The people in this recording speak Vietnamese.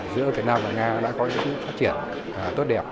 giữa việt nam và nga đã có những phát triển tốt đẹp